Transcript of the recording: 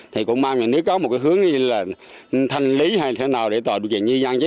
thì cũng mang nhà nước có một cái hướng như là thanh lý hay thế nào để tội điều kiện như dân chế